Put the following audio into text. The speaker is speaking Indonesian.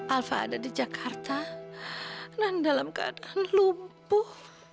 alfa ada di jakarta dan dalam keadaan lumpuh